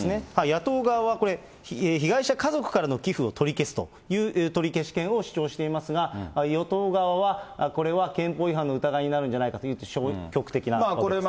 野党側はこれ、被害者家族からの寄付を取り消すという取消権を主張していますが、与党側は、これは憲法違反の疑いになるんじゃないかと消極的なんですね。